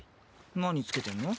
「何付けてんの？」